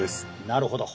なるほど。